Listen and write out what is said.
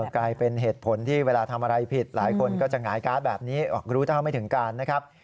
กลายเป็นเหตุผลที่เวลาทำอะไรผิดหลายคนก็จะหงายการ์ดแบบนี้ออกรู้เท่าไม่ถึงการนะครับ